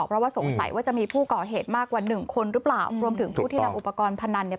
เพราะว่าสงสัยว่าจะมีผู้ก่อเหตุมากกว่าหนึ่งคนหรือเปล่ารวมถึงผู้ที่นำอุปกรณ์พนันเนี่ย